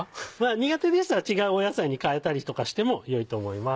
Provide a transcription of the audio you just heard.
苦手でしたら違う野菜に代えたりとかしてもよいと思います。